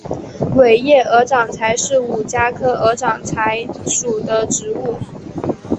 尾叶鹅掌柴是五加科鹅掌柴属的植物。